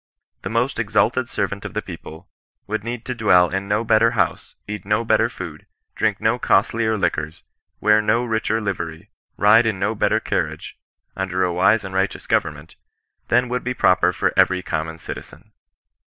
The most exalted servant of the people would need to dwell in no better house, eat no better food, drink no costlier Hquids, wear no richer livery, ride in no better cairiage, under a wise and righteous government, than would be proper for 166 CHRISTIAN NON IIB8I8TAM0E. every common citizen.